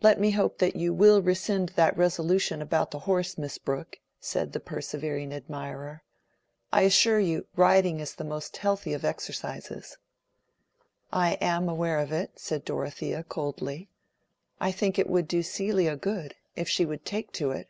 "Let me hope that you will rescind that resolution about the horse, Miss Brooke," said the persevering admirer. "I assure you, riding is the most healthy of exercises." "I am aware of it," said Dorothea, coldly. "I think it would do Celia good—if she would take to it."